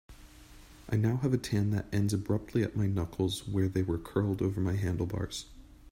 I now have a tan that ends abruptly at my knuckles where they were curled over my handlebars.